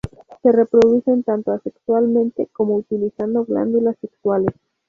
Se reproducen tanto asexualmente, como utilizando glándulas sexuales.